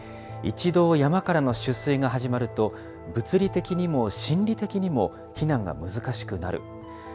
一度山からの出水が始まると、物理的にも心理的にも、避難が難しくなる。